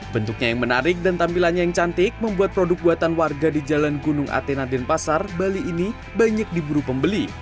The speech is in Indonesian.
bentuknya yang menarik dan tampilannya yang cantik membuat produk buatan warga di jalan gunung athena denpasar bali ini banyak diburu pembeli